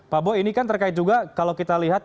pak boy ini kan terkait juga kalau kita lihat